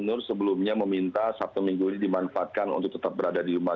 saya itu sebelumnya meminta sabtu dan minggu ini dimanfaatkan untuk tetap berada di rumah